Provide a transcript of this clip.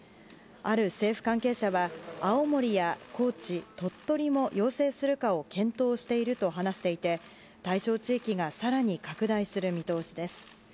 ある政府関係者は青森や高知、鳥取も要請するかを検討していると話していて対象地域が更に拡大する見通しです。